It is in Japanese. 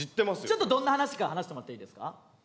ちょっとどんな話か話してもらっていいですか？